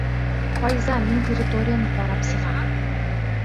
Файза, мин территорияны ҡарап сығам.